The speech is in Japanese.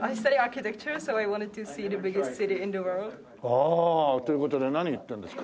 ああという事で何言ってるんですか？